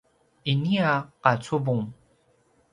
inia qacuvung